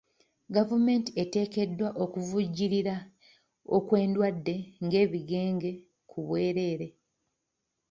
Gavumenti eteekeddwa okuvujjirira okw'endwadde ng'ebigenge ku bwereere.